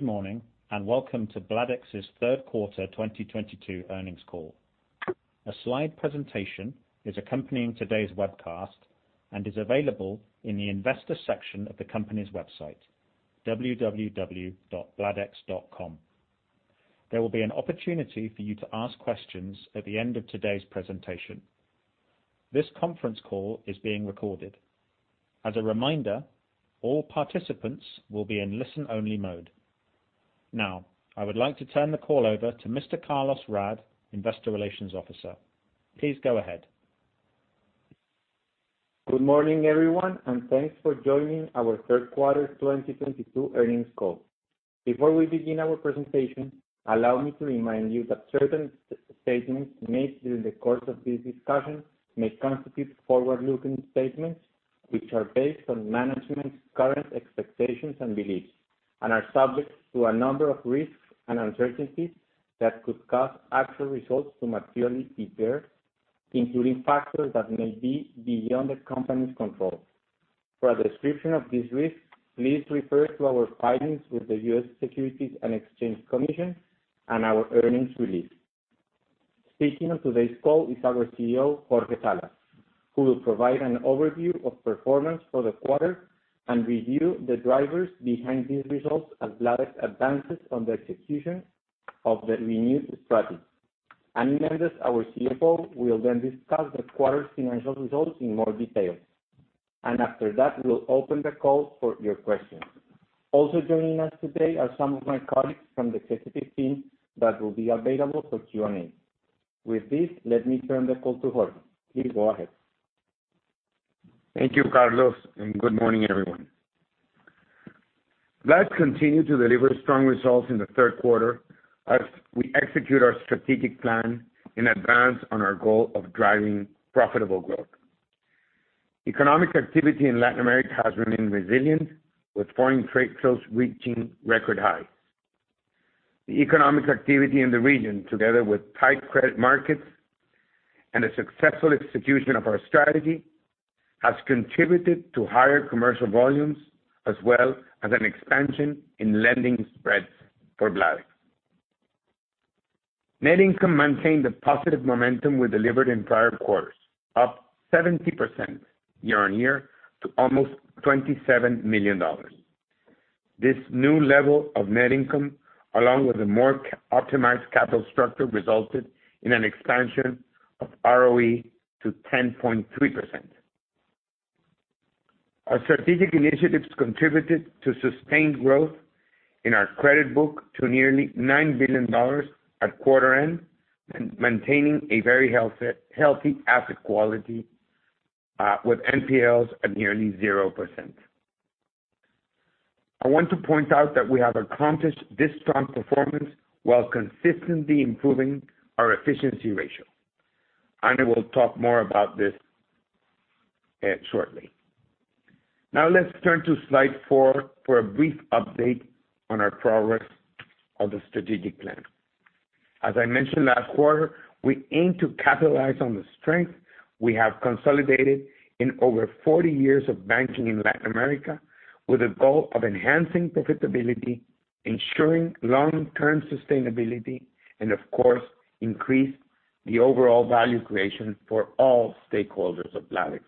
Good morning, and welcome to Bladex's third quarter 2022 earnings call. A slide presentation is accompanying today's webcast and is available in the investor section of the company's website, www.bladex.com. There will be an opportunity for you to ask questions at the end of today's presentation. This conference call is being recorded. As a reminder, all participants will be in listen-only mode. Now, I would like to turn the call over to Mr. Carlos Raad, Investor Relations Officer. Please go ahead. Good morning, everyone, and thanks for joining our third quarter 2022 earnings call. Before we begin our presentation, allow me to remind you that certain statements made during the course of this discussion may constitute forward-looking statements, which are based on management's current expectations and beliefs, and are subject to a number of risks and uncertainties that could cause actual results to materially differ, including factors that may be beyond the company's control. For a description of these risks, please refer to our filings with the U.S. Securities and Exchange Commission and our earnings release. Speaking on today's call is our CEO, Jorge Salas, who will provide an overview of performance for the quarter and review the drivers behind these results as Bladex advances on the execution of the renewed strategy. Ana Graciela de Méndez, our CFO, will then discuss the quarter's financial results in more detail. After that, we'll open the call for your questions. Also joining us today are some of my colleagues from the executive team that will be available for Q&A. With this, let me turn the call to Jorge. Please go ahead. Thank you, Carlos, and good morning, everyone. Bladex continued to deliver strong results in the third quarter as we execute our strategic plan and advance on our goal of driving profitable growth. Economic activity in Latin America has remained resilient, with foreign trade flows reaching record highs. The economic activity in the region, together with tight credit markets and a successful execution of our strategy, has contributed to higher commercial volumes as well as an expansion in lending spreads for Bladex. Net income maintained the positive momentum we delivered in prior quarters, up 70% year-on-year to almost $27 million. This new level of net income, along with a more optimized capital structure, resulted in an expansion of ROE to 10.3%. Our strategic initiatives contributed to sustained growth in our credit book to nearly $9 billion at quarter end, and maintaining a very healthy asset quality, with NPLs at nearly 0%. I want to point out that we have accomplished this strong performance while consistently improving our efficiency ratio. Ana will talk more about this, shortly. Now let's turn to slide four for a brief update on our progress on the strategic plan. As I mentioned last quarter, we aim to capitalize on the strength we have consolidated in over 40 years of banking in Latin America with the goal of enhancing profitability, ensuring long-term sustainability, and of course, increase the overall value creation for all stakeholders of Bladex.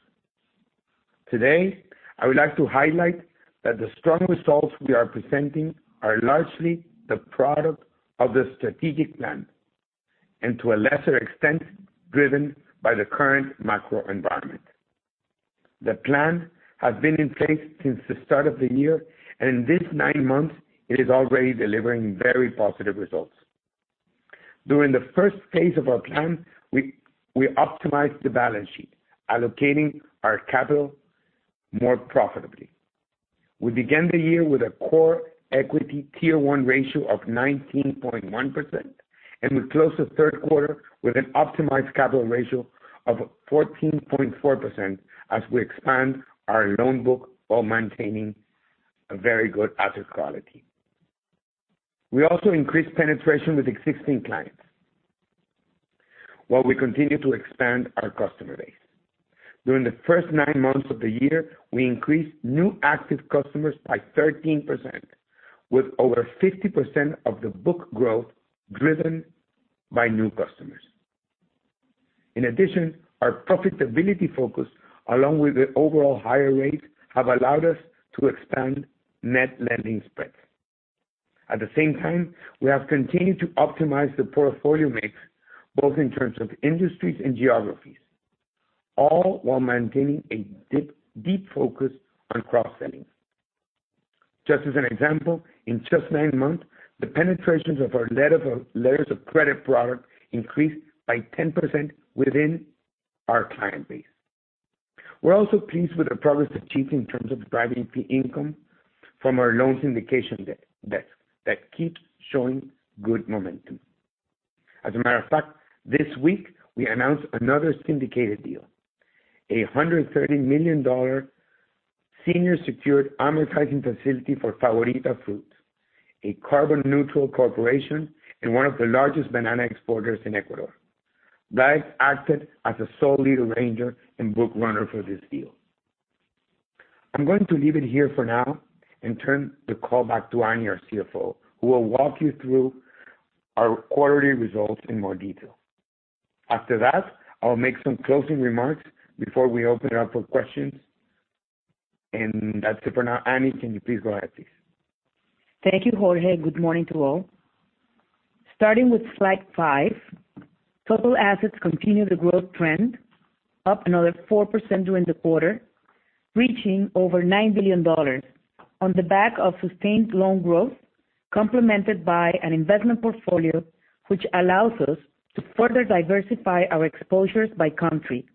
Today, I would like to highlight that the strong results we are presenting are largely the product of the strategic plan and to a lesser extent, driven by the current macro environment. The plan has been in place since the start of the year, and in this nine months, it is already delivering very positive results. During the first phase of our plan, we optimized the balance sheet, allocating our capital more profitably. We began the year with a Core Equity Tier 1 ratio of 19.1%, and we closed the third quarter with an optimized capital ratio of 14.4% as we expand our loan book while maintaining a very good asset quality. We also increased penetration with existing clients while we continue to expand our customer base. During the first nine months of the year, we increased new active customers by 13% with over 50% of the book growth driven by new customers. In addition, our profitability focus along with the overall higher rates have allowed us to expand net lending spreads. At the same time, we have continued to optimize the portfolio mix, both in terms of industries and geographies, all while maintaining a deep, deep focus on cross-selling. Just as an example, in just nine months, the penetrations of our Letters of Credit product increased by 10% within our client base. We're also pleased with the progress achieved in terms of driving fee income from our loan syndication desk that keeps showing good momentum. As a matter of fact, this week we announced another syndicated deal, a $130 million senior secured amortizing facility for Favorita Fruit Company, a carbon-neutral corporation and one of the largest banana exporters in Ecuador. Bladex acted as a sole lead arranger and book runner for this deal. I'm going to leave it here for now and turn the call back to Ana, our CFO, who will walk you through our quarterly results in more detail. After that, I'll make some closing remarks before we open it up for questions. That's it for now. Ana, can you please go ahead. Thank you, Jorge. Good morning to all. Starting with slide five, total assets continue the growth trend, up another 4% during the quarter, reaching over $9 billion on the back of sustained loan growth, complemented by an investment portfolio which allows us to further diversify our exposures by country,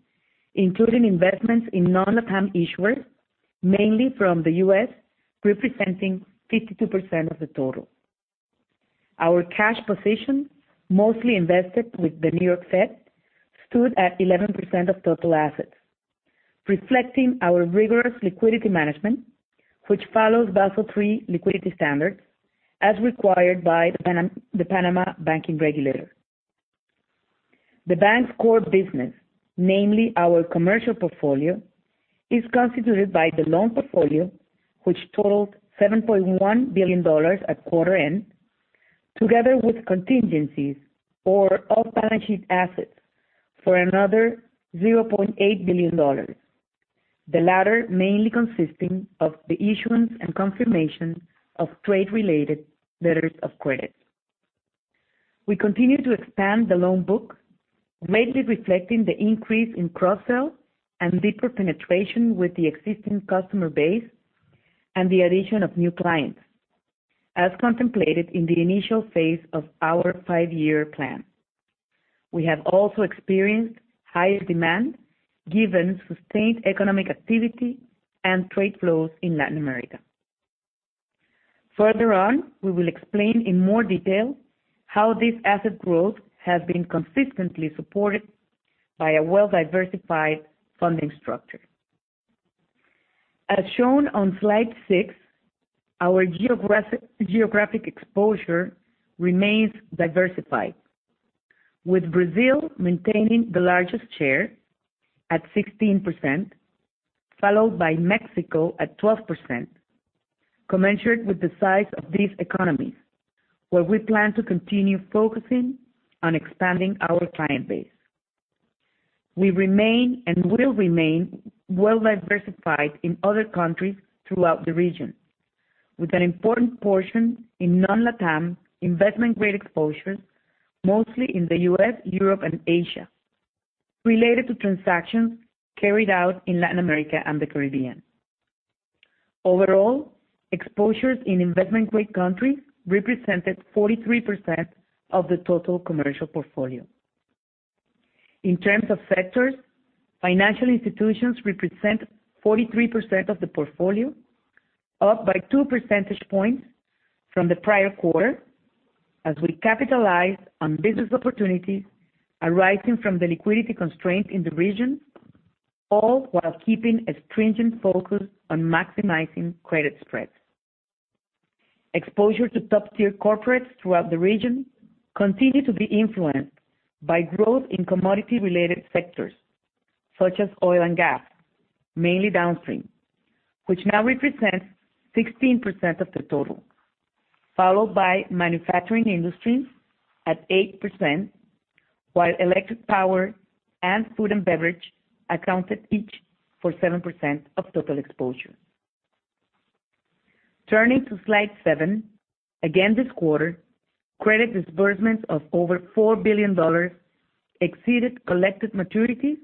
including investments in non-LatAm issuers, mainly from the U.S., representing 52% of the total. Our cash position, mostly invested with the New York Fed, stood at 11% of total assets, reflecting our rigorous liquidity management, which follows Basel III liquidity standards as required by the Panama banking regulator. The bank's core business, namely our commercial portfolio, is constituted by the loan portfolio, which totaled $7.1 billion at quarter end, together with contingencies or off-balance-sheet assets for another $0.8 billion. The latter mainly consisting of the issuance and confirmation of trade-related letters of credit. We continue to expand the loan book, mainly reflecting the increase in cross-sell and deeper penetration with the existing customer base and the addition of new clients, as contemplated in the initial phase of our five-year plan. We have also experienced higher demand given sustained economic activity and trade flows in Latin America. Further on, we will explain in more detail how this asset growth has been consistently supported by a well-diversified funding structure. As shown on slide six, our geographic exposure remains diversified, with Brazil maintaining the largest share at 16%, followed by Mexico at 12%, commensurate with the size of these economies, where we plan to continue focusing on expanding our client base. We remain and will remain well-diversified in other countries throughout the region, with an important portion in non-LatAm investment-grade exposure, mostly in the U.S., Europe, and Asia, related to transactions carried out in Latin America and the Caribbean. Overall, exposures in investment-grade countries represented 43% of the total commercial portfolio. In terms of sectors, financial institutions represent 43% of the portfolio, up by two percentage points from the prior quarter, as we capitalize on business opportunities arising from the liquidity constraint in the region, all while keeping a stringent focus on maximizing credit spreads. Exposure to top-tier corporates throughout the region continue to be influenced by growth in commodity-related sectors such as oil and gas, mainly downstream, which now represents 16% of the total, followed by manufacturing industries at 8%, while electric power and food and beverage accounted each for 7% of total exposure. Turning to slide seven, again this quarter, credit disbursements of over $4 billion exceeded collected maturities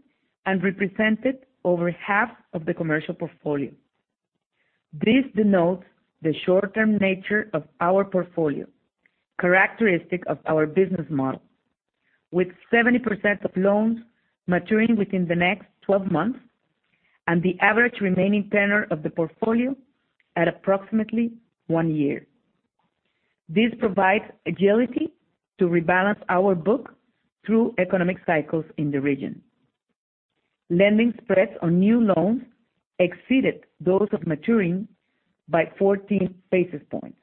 and represented over half of the commercial portfolio. This denotes the short-term nature of our portfolio, characteristic of our business model, with 70% of loans maturing within the next 12 months and the average remaining tenor of the portfolio at approximately one year. This provides agility to rebalance our book through economic cycles in the region. Lending spreads on new loans exceeded those of maturing by 14 basis points,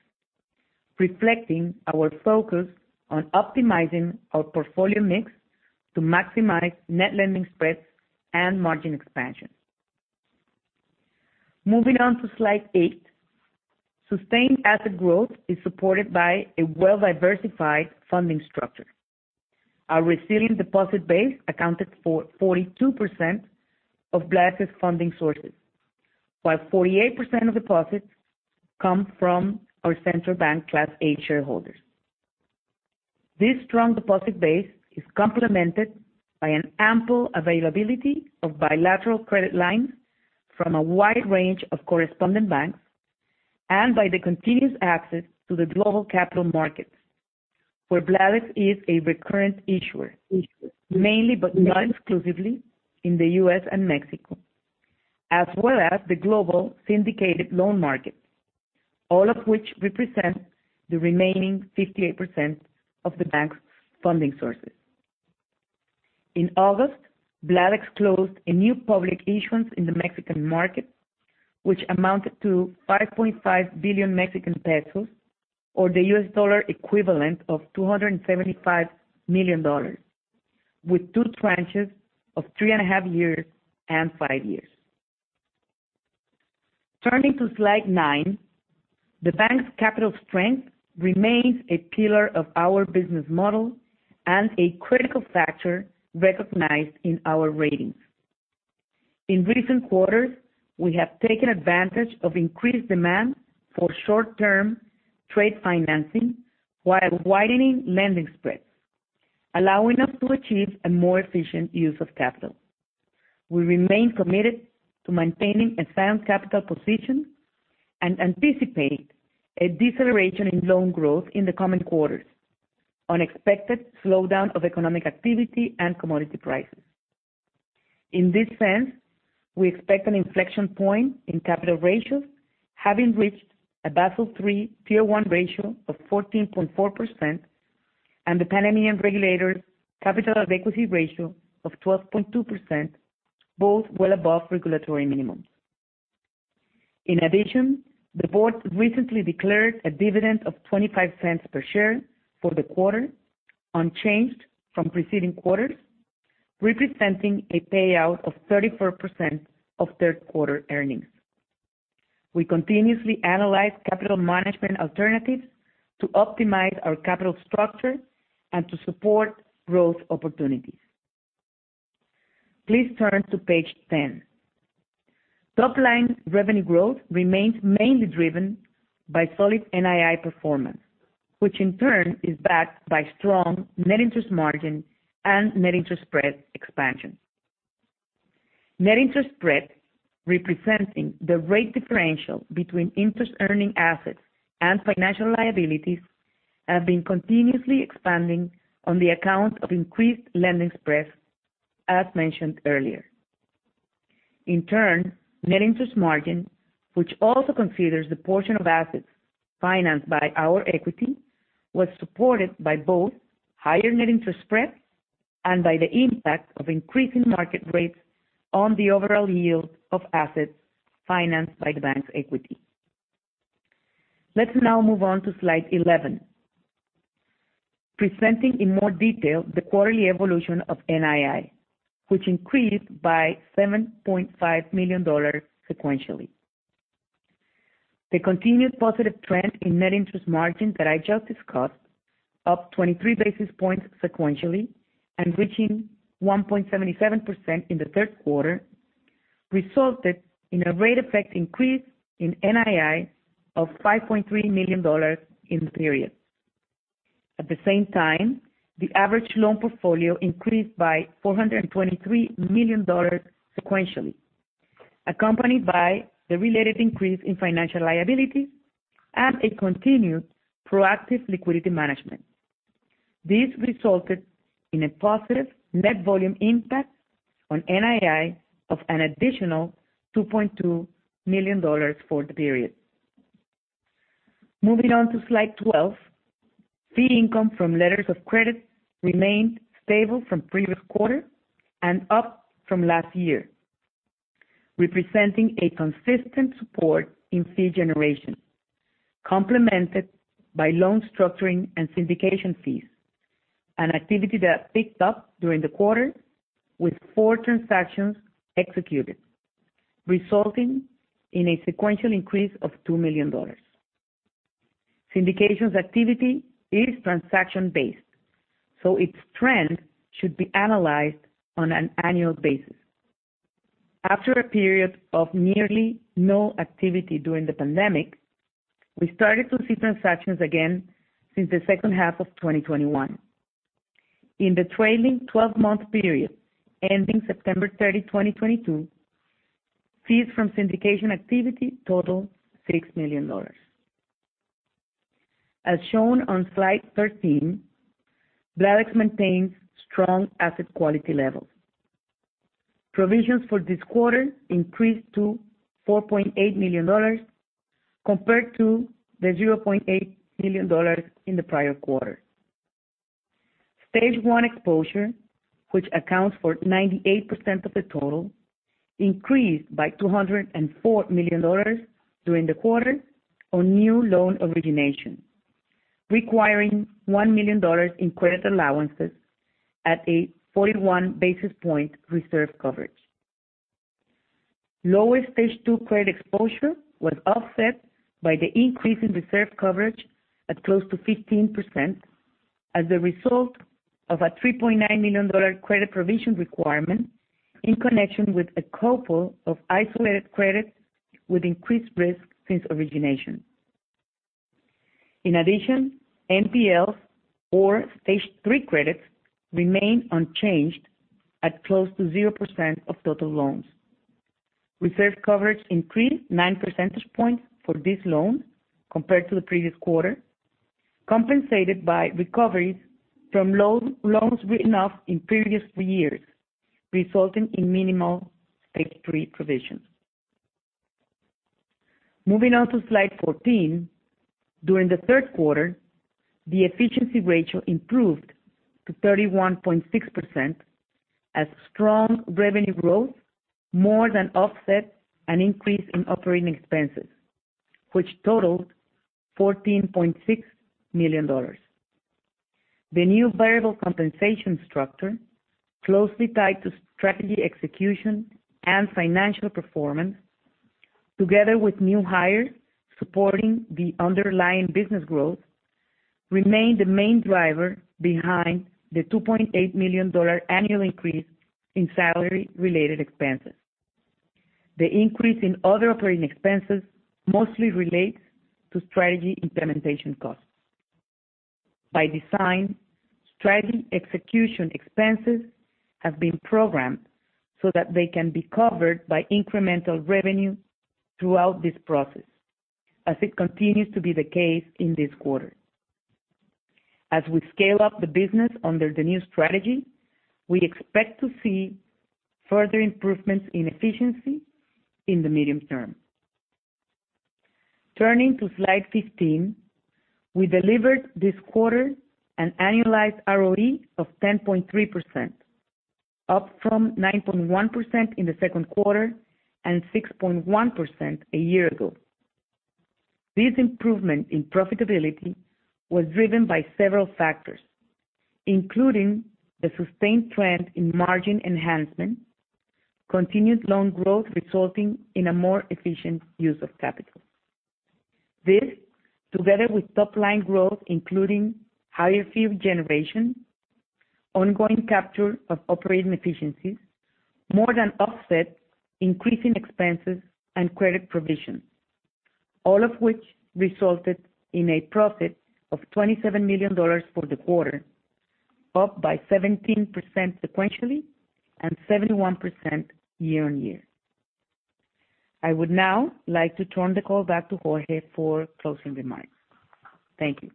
reflecting our focus on optimizing our portfolio mix to maximize net lending spreads and margin expansion. Moving on to slide eight, sustained asset growth is supported by a well-diversified funding structure. Our resilient deposit base accounted for 42% of Bladex funding sources, while 48% of deposits come from our central bank Class A shareholders. This strong deposit base is complemented by an ample availability of bilateral credit lines from a wide range of correspondent banks and by the continuous access to the global capital markets, where Bladex is a recurrent issuer, mainly but not exclusively in the U.S. and Mexico, as well as the global syndicated loan market, all of which represent the remaining 58% of the bank's funding sources. In August, Bladex closed a new public issuance in the Mexican market, which amounted to 5.5 billion Mexican pesos, or the U.S. dollar equivalent of $275 million. With two tranches of 3.5 years and five years. Turning to slide nine, the bank's capital strength remains a pillar of our business model and a critical factor recognized in our ratings. In recent quarters, we have taken advantage of increased demand for short-term trade financing while widening lending spreads, allowing us to achieve a more efficient use of capital. We remain committed to maintaining a sound capital position and anticipate a deceleration in loan growth in the coming quarters on expected slowdown of economic activity and commodity prices. In this sense, we expect an inflection point in capital ratios, having reached a Basel III Tier 1 ratio of 14.4% and the Panamanian regulator capital adequacy ratio of 12.2%, both well above regulatory minimums. In addition, the board recently declared a dividend of $0.25 per share for the quarter, unchanged from preceding quarters, representing a payout of 34% of third quarter earnings. We continuously analyze capital management alternatives to optimize our capital structure and to support growth opportunities. Please turn to page 10. Top-line revenue growth remains mainly driven by solid NII performance, which in turn is backed by strong net interest margin and net interest spread expansion. Net interest spread, representing the rate differential between interest-earning assets and financial liabilities, have been continuously expanding on the account of increased lending spreads, as mentioned earlier. In turn, net interest margin, which also considers the portion of assets financed by our equity, was supported by both higher net interest spreads and by the impact of increasing market rates on the overall yield of assets financed by the bank's equity. Let's now move on to slide 11. Presenting in more detail the quarterly evolution of NII, which increased by $7.5 million sequentially. The continued positive trend in net interest margin that I just discussed, up 23 basis points sequentially and reaching 1.77% in the third quarter, resulted in a rate effect increase in NII of $5.3 million in the period. At the same time, the average loan portfolio increased by $423 million sequentially, accompanied by the related increase in financial liabilities and a continued proactive liquidity management. This resulted in a positive net volume impact on NII of an additional $2.2 million for the period. Moving on to slide 12, fee income from Letters of Credit remained stable from previous quarter and up from last year, representing a consistent support in fee generation, complemented by loan structuring and syndication fees, an activity that picked up during the quarter with four transactions executed, resulting in a sequential increase of $2 million. Syndications activity is transaction-based, so its trend should be analyzed on an annual basis. After a period of nearly no activity during the pandemic, we started to see transactions again since the second half of 2021. In the trailing twelve-month period ending September 30, 2022, fees from syndication activity totaled $6 million. As shown on slide 13, Bladex maintains strong asset quality levels. Provisions for this quarter increased to $4.8 million compared to the $0.8 million in the prior quarter. Stage one exposure, which accounts for 98% of the total, increased by $204 million during the quarter on new loan origination, requiring $1 million in credit allowances at a 41 basis point reserve coverage. Lower stage two credit exposure was offset by the increase in reserve coverage at close to 15% as a result of a $3.9 million credit provision requirement in connection with a couple of isolated credits with increased risk since origination. In addition, NPLs or stage three credits remain unchanged at close to 0% of total loans. Reserve coverage increased nine percentage points for this loan compared to the previous quarter, compensated by recoveries from loans written off in previous years, resulting in minimal stage three provisions. Moving on to slide 14. During the third quarter, the efficiency ratio improved to 31.6% as strong revenue growth more than offset an increase in operating expenses, which totaled $14.6 million. The new variable compensation structure closely tied to strategy execution and financial performance, together with new hires supporting the underlying business growth, remain the main driver behind the $2.8 million annual increase in salary-related expenses. The increase in other operating expenses mostly relates to strategy implementation costs. By design, strategy execution expenses have been programmed so that they can be covered by incremental revenue throughout this process, as it continues to be the case in this quarter. As we scale up the business under the new strategy, we expect to see further improvements in efficiency in the medium term. Turning to slide 15, we delivered this quarter an annualized ROE of 10.3%, up from 9.1% in the second quarter and 6.1% a year ago. This improvement in profitability was driven by several factors, including the sustained trend in margin enhancement, continued loan growth resulting in a more efficient use of capital. This, together with top-line growth, including higher fee generation, ongoing capture of operating efficiencies, more than offset increasing expenses and credit provision. All of which resulted in a profit of $27 million for the quarter, up by 17% sequentially and 71% year-on-year. I would now like to turn the call back to Jorge for closing remarks. Thank you.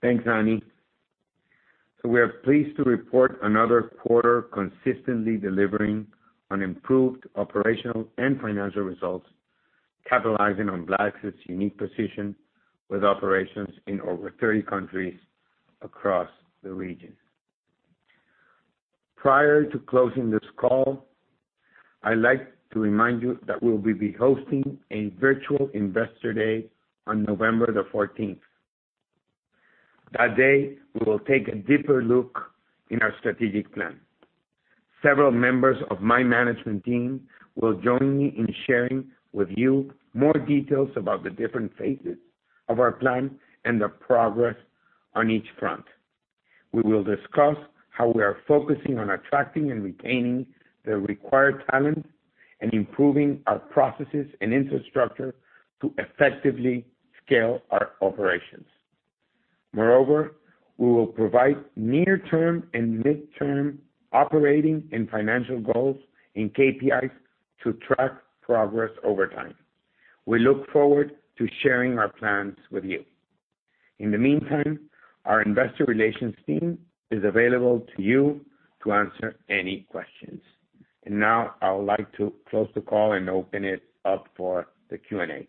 Thanks, Ana. We are pleased to report another quarter consistently delivering on improved operational and financial results, capitalizing on Bladex's unique position with operations in over 30 countries across the region. Prior to closing this call, I like to remind you that we'll be hosting a virtual investor day on November 14th. That day, we will take a deeper look into our strategic plan. Several members of my management team will join me in sharing with you more details about the different phases of our plan and the progress on each front. We will discuss how we are focusing on attracting and retaining the required talent and improving our processes and infrastructure to effectively scale our operations. Moreover, we will provide near-term and mid-term operating and financial goals and KPIs to track progress over time. We look forward to sharing our plans with you. In the meantime, our investor relations team is available to you to answer any questions. Now I would like to close the call and open it up for the Q&A.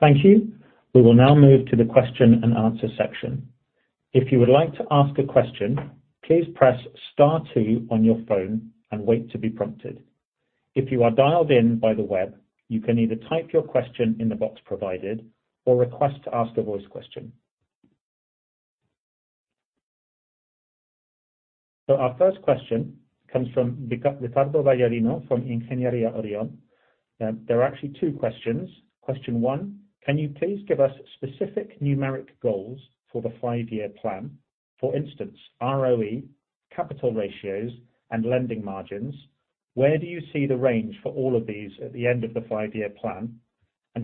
Thank you. We will now move to the question-and-answer section. If you would like to ask a question, please press star two on your phone and wait to be prompted. If you are dialed in by the web, you can either type your question in the box provided or request to ask a voice question. Our first question comes from Ricardo Vallarino from Ingenieria Orion. There are actually two questions. Question one. Can you please give us specific numeric goals for the five-year plan? For instance, ROE, capital ratios, and lending margins, where do you see the range for all of these at the end of the five-year plan?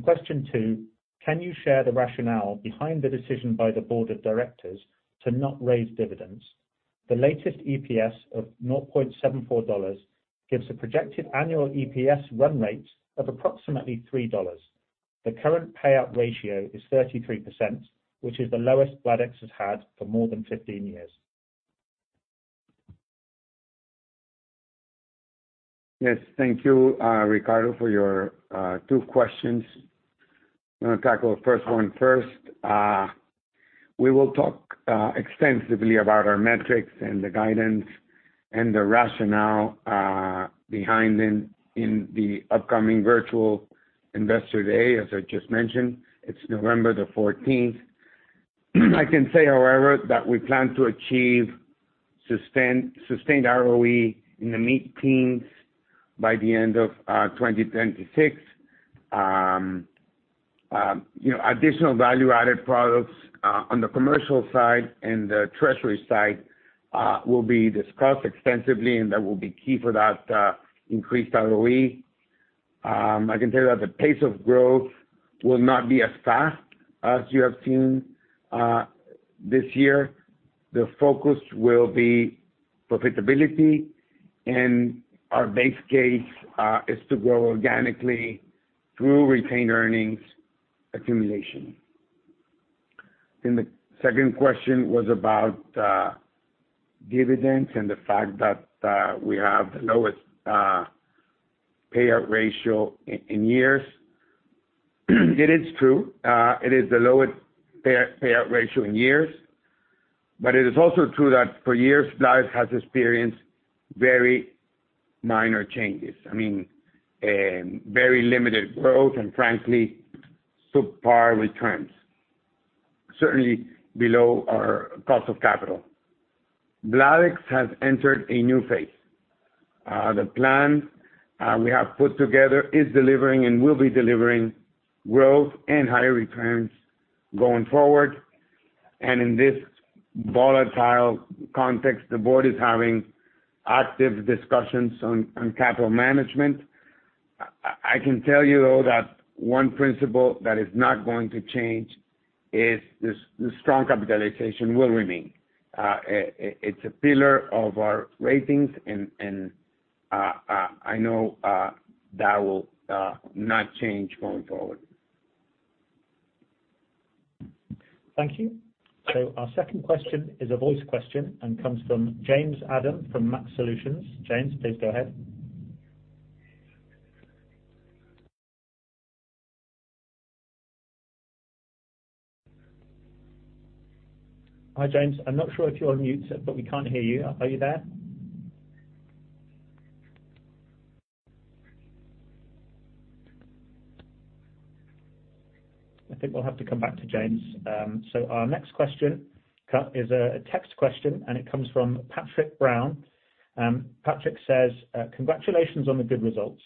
Question two. Can you share the rationale behind the decision by the board of directors to not raise dividends? The latest EPS of $0.74 gives a projected annual EPS run rate of approximately $3. The current payout ratio is 33%, which is the lowest Bladex has had for more than 15 years. Yes. Thank you, Ricardo, for your two questions. I'm gonna tackle the first one first. We will talk extensively about our metrics and the guidance and the rationale behind them in the upcoming virtual Investor Day, as I just mentioned. It's November 14th. I can say, however, that we plan to achieve sustained ROE in the mid-teens by the end of 2026. You know, additional value-added products on the commercial side and the treasury side will be discussed extensively, and that will be key for that increased ROE. I can tell you that the pace of growth will not be as fast as you have seen this year. The focus will be profitability, and our base case is to grow organically through retained earnings accumulation. The second question was about dividends and the fact that we have the lowest payout ratio in years. It is true, it is the lowest payout ratio in years. It is also true that for years, Bladex has experienced very minor changes. I mean, a very limited growth and frankly, subpar returns, certainly below our cost of capital. Bladex has entered a new phase. The plan we have put together is delivering and will be delivering growth and higher returns going forward. In this volatile context, the board is having active discussions on capital management. I can tell you that one principle that is not going to change is this strong capitalization will remain. It's a pillar of our ratings and I know that will not change going forward. Thank you. Our second question is a voice question and comes from James Adam from Max Solutions. James, please go ahead. Hi, James. I'm not sure if you're on mute, but we can't hear you. Are you there? I think we'll have to come back to James. Our next question is a text question, and it comes from Patrick Brown. Patrick says, "Congratulations on the good results.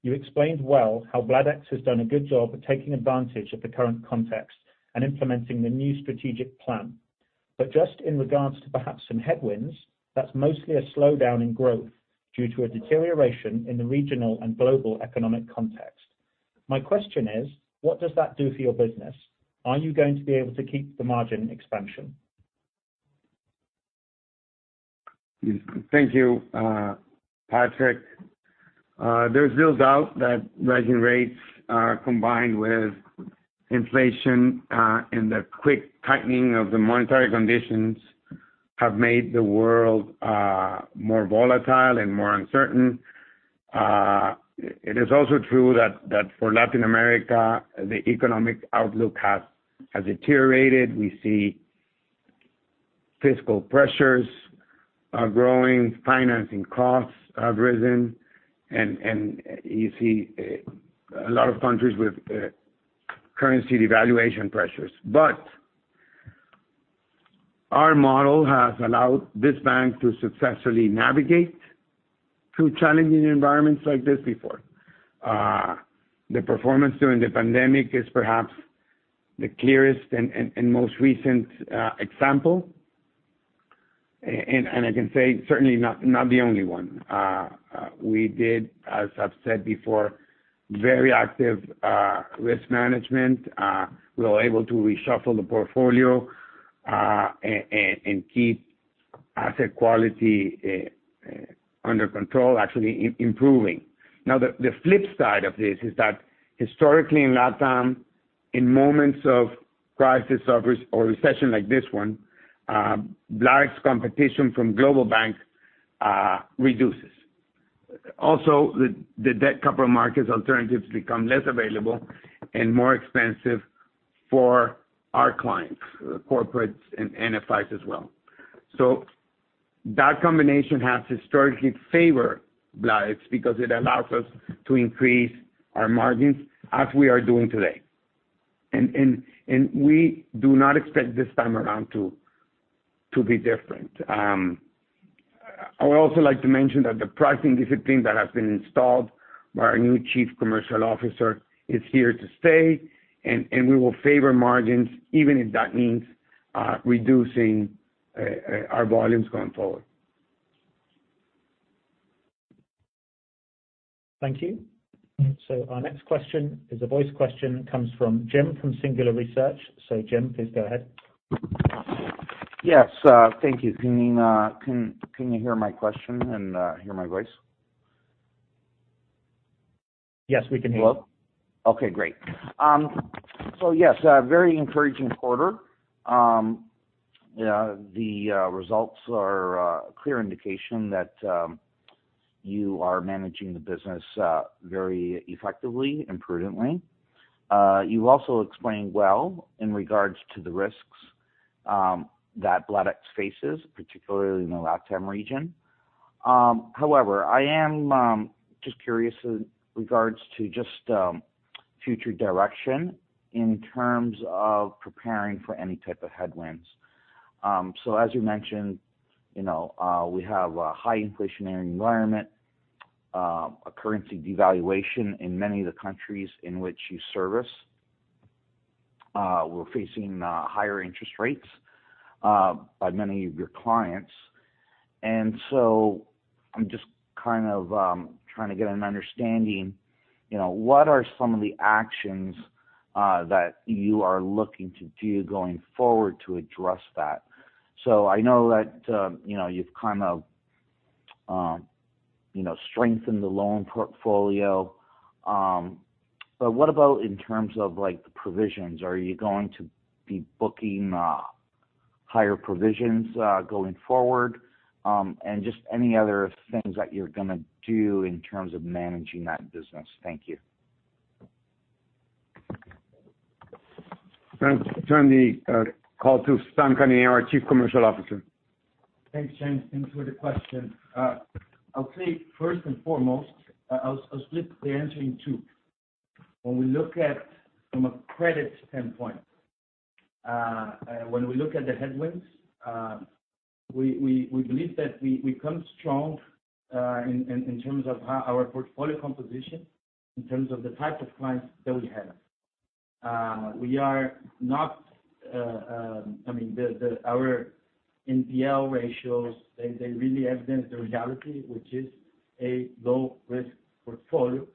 You explained well how Bladex has done a good job of taking advantage of the current context and implementing the new strategic plan. Just in regards to perhaps some headwinds, that's mostly a slowdown in growth due to a deterioration in the regional and global economic context. My question is, what does that do for your business? Are you going to be able to keep the margin expansion? Thank you, Patrick. There's no doubt that rising rates, combined with inflation, and the quick tightening of the monetary conditions have made the world more volatile and more uncertain. It is also true that for Latin America, the economic outlook has deteriorated. We see fiscal pressures are growing, financing costs have risen, and you see a lot of countries with currency devaluation pressures. Our model has allowed this bank to successfully navigate through challenging environments like this before. The performance during the pandemic is perhaps the clearest and most recent example, and I can say certainly not the only one. We did, as I've said before, very active risk management. We were able to reshuffle the portfolio and keep asset quality under control, actually improving. Now, the flip side of this is that historically in LatAm, in moments of crisis or recession like this one, Bladex competition from global banks reduces. Also, debt capital markets alternatives become less available and more expensive for our clients, corporates and FIs as well. That combination has historically favored Bladex because it allows us to increase our margins as we are doing today. We do not expect this time around to be different. I would also like to mention that the pricing discipline that has been installed by our new Chief Commercial Officer is here to stay, and we will favor margins, even if that means reducing our volumes going forward. Thank you. Our next question is a voice question, comes from Jim from Singular Research. Jim, please go ahead. Yes, thank you. Can you hear my question and hear my voice? Yes, we can hear you. Hello? Okay, great. Yes, a very encouraging quarter. The results are a clear indication that you are managing the business very effectively and prudently. You also explained well in regards to the risks that Bladex faces, particularly in the LatAm region. However, I am just curious in regards to just future direction in terms of preparing for any type of headwinds. As you mentioned, you know, we have a high inflationary environment, a currency devaluation in many of the countries in which you service. We're facing higher interest rates by many of your clients. I'm just kind of trying to get an understanding, you know, what are some of the actions that you are looking to do going forward to address that? I know that, you know, you've kind of, you know, strengthened the loan portfolio. What about in terms of like the provisions? Are you going to be booking higher provisions going forward, and just any other things that you're gonna do in terms of managing that business. Thank you. Let's turn the call to Samuel Canineu, our Chief Commercial Officer. Thanks, Jim. Thanks for the question. I'll say first and foremost, I'll split the answer in two. When we look at the headwinds, we believe that we come strong in terms of our portfolio composition, in terms of the type of clients that we have. I mean, our NPL ratios, they really evidence the reality, which is a low-risk portfolio.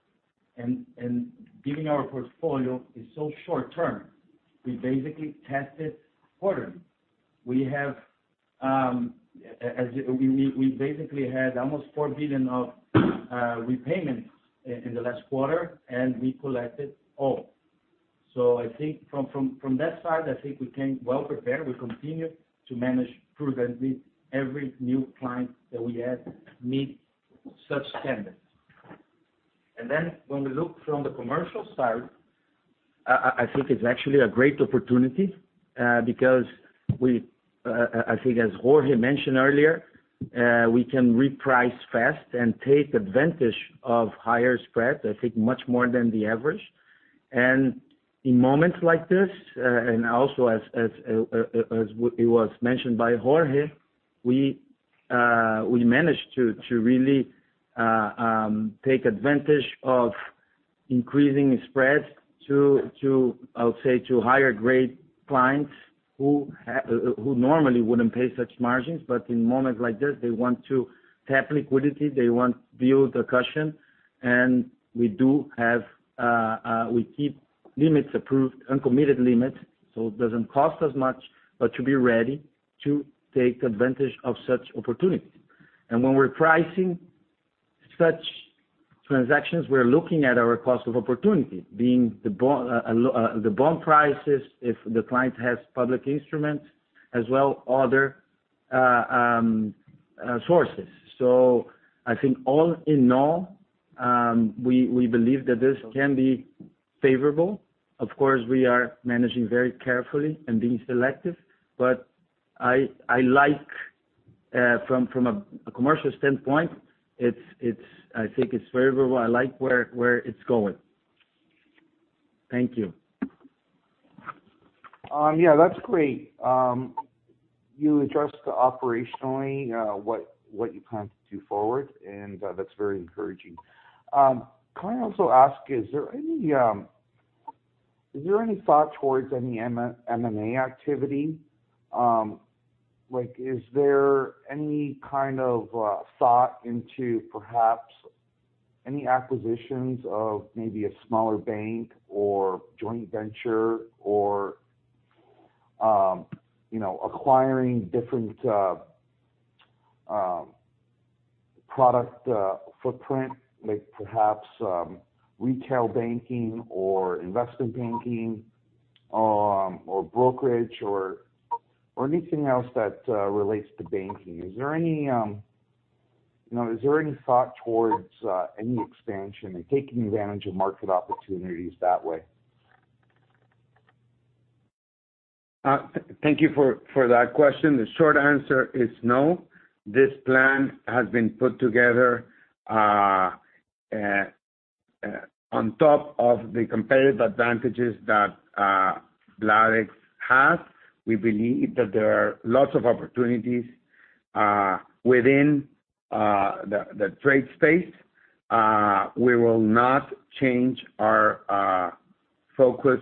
Given our portfolio is so short term, we basically test it quarterly. We basically had almost $4 billion of repayments in the last quarter, and we collected all. I think from that side, I think we came well-prepared. We continue to manage prudently every new client that we have met such standards. When we look from the commercial side, I think it's actually a great opportunity, because I think as Jorge mentioned earlier, we can reprice fast and take advantage of higher spread, I think much more than the average. In moments like this, and also as it was mentioned by Jorge, we managed to really take advantage of increasing spreads, I would say, to higher grade clients who normally wouldn't pay such margins, but in moments like this, they want to tap liquidity, they want to build a cushion, and we keep limits approved, uncommitted limits, so it doesn't cost us much, but to be ready to take advantage of such opportunities. When we're pricing such transactions, we're looking at our cost of opportunity, being the bond prices if the client has public instruments, as well as other sources. I think all in all, we believe that this can be favorable. Of course, we are managing very carefully and being selective. I like, from a commercial standpoint, it's. I think it's favorable. I like where it's going. Thank you. Yeah, that's great. You addressed operationally what you plan to do forward, and that's very encouraging. Can I also ask, is there any thought towards any M&A activity? Like, is there any kind of thought into perhaps any acquisitions of maybe a smaller bank or joint venture or, you know, acquiring different product footprint, like perhaps retail banking or investment banking, or brokerage or anything else that relates to banking? Is there any, you know, thought towards any expansion and taking advantage of market opportunities that way? Thank you for that question. The short answer is no. This plan has been put together on top of the competitive advantages that Bladex has. We believe that there are lots of opportunities within the trade space. We will not change our focus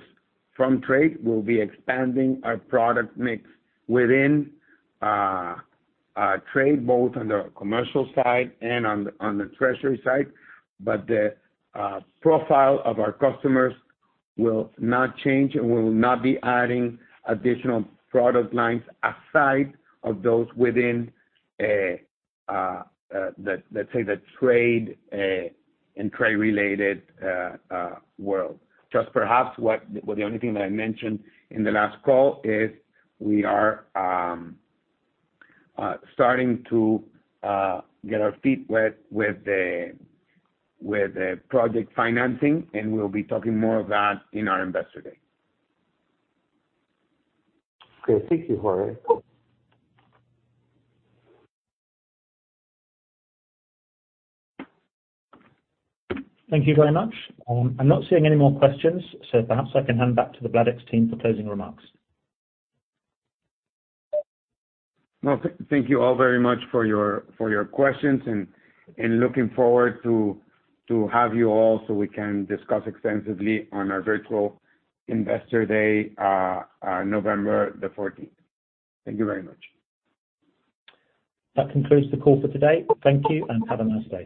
from trade. We'll be expanding our product mix within trade, both on the commercial side and on the treasury side. The profile of our customers will not change, and we will not be adding additional product lines aside of those within the, let's say, trade and trade-related world. Just perhaps, the only thing that I mentioned in the last call is we are starting to get our feet wet with the project financing, and we'll be talking more of that in our Investor Day. Okay, thank you, Jorge. Thank you very much. I'm not seeing any more questions, so perhaps I can hand back to the Bladex team for closing remarks. Well, thank you all very much for your questions, and looking forward to have you all so we can discuss extensively on our virtual Investor Day, November 14th. Thank you very much. That concludes the call for today. Thank you, and have a nice day.